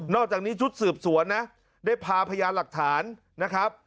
อกจากนี้ชุดสืบสวนนะได้พาพยานหลักฐานนะครับ